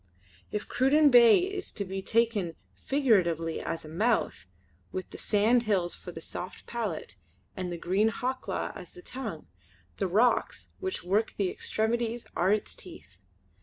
If Cruden Bay is to be taken figuratively as a mouth, with the sand hills for soft palate, and the green Hawklaw as the tongue, the rocks which work the extremities are its teeth.